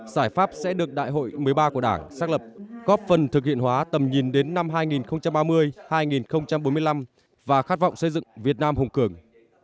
giải pháp sẽ được đại hội một mươi ba của đảng xác lập góp phần thực hiện hóa tầm nhìn đến năm hai nghìn ba mươi hai nghìn bốn mươi năm và khát vọng xây dựng việt nam hùng cường